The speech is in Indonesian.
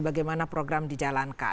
bagaimana program dijalankan